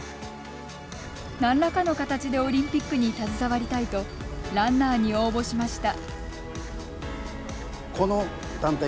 何らかの形でオリンピックに携わりたいとランナーに応募しました。